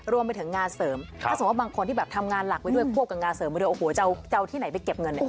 รวมไปถึงงานเสริมถ้าสมมุติบางคนที่แบบทำงานหลักไว้ด้วยควบกับงานเสริมไปด้วยโอ้โหจะเอาที่ไหนไปเก็บเงินเนี่ย